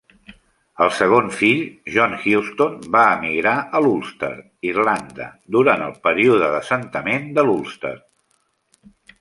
El seu segon fill John Houston va emigrar a l'Ulster, Irlanda durant el període d'assentament de l'Ulster.